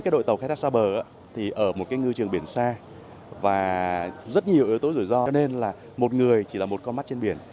đội tàu khai thác xa bờ thì ở một ngư trường biển xa và rất nhiều yếu tố rủi ro nên là một người chỉ là một con mắt trên biển